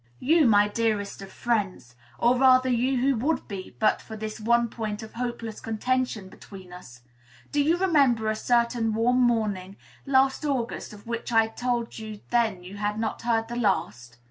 You, my dearest of friends, or, rather, you who would be, but for this one point of hopeless contention between us, do you remember a certain warm morning, last August, of which I told you then you had not heard the last?